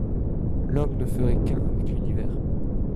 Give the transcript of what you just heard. L’Homme ne ferait qu’un avec l’univers.